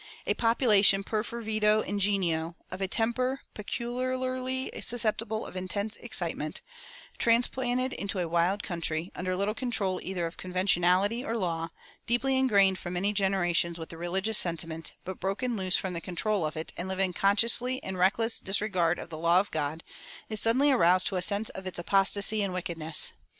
A population perfervido ingenio, of a temper peculiarly susceptible of intense excitement, transplanted into a wild country, under little control either of conventionality or law, deeply ingrained from many generations with the religious sentiment, but broken loose from the control of it and living consciously in reckless disregard of the law of God, is suddenly aroused to a sense of its apostasy and wickedness.